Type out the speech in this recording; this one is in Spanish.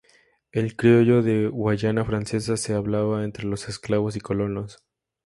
El criollo de Guayana Francesa se hablaba entre los esclavos y colonos.